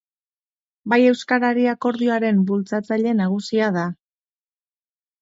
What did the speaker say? Bai Euskarari Akordioaren bultzatzaile nagusia da.